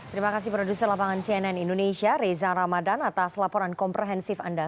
terima kasih produser lapangan cnn indonesia reza ramadan atas laporan komprehensif anda